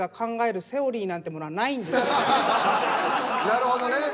なるほどね。